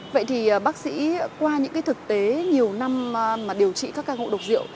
vậy thì bác sĩ qua những cái thực tế nhiều năm mà điều trị các ca ngộ độc rượu